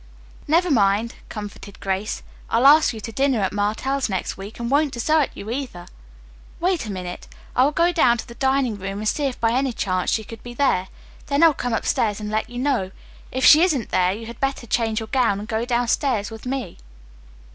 "Never mind," comforted Grace. "I'll ask you to dinner at Martell's next week and won't desert you either. Wait a minute. I will go down to the dining room and see if by any chance she could be there. Then I'll come upstairs and let you know. If she isn't there you had better change your gown and go downstairs with me."